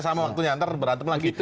sama waktunya ntar berantem lagi